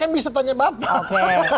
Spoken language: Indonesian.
bisa tanya bapak